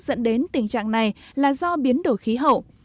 dẫn đến tình trạng này là do biến đổi khí hậu